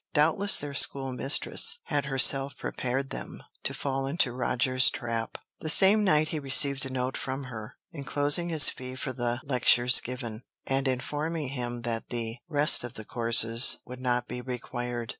Doubtless their school mistress had herself prepared them to fall into Roger's trap. The same night he received a note from her, enclosing his fee for the lectures given, and informing him that the rest of the course would not be required.